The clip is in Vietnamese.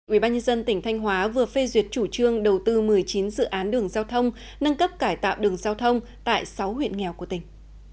ubnd tỉnh thanh hóa vừa phê duyệt chủ trương đầu tư một mươi chín dự án đường giao thông nâng cấp cải tạo đường giao thông tại sáu huyện nghèo của tỉnh